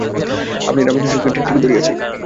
আপনি রামকৃষ্ণকে ঠিক ঠিক ধরিয়াছেন।